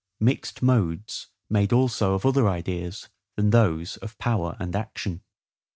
Mixed Modes made also of other Ideas than those of Power and Action.